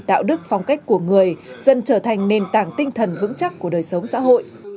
đạo đức phong cách của người dân trở thành nền tảng tinh thần vững chắc của đời sống xã hội